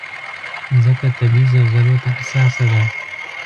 مځکه طبعي زلزلو ته حساسه ده.